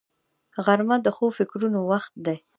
غرمه د ښو فکرونو وخت دی